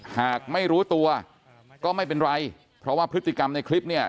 หากไม่รู้ตัวก็ไม่เป็นไรเพราะว่าพฤติกรรมในคลิปเนี่ย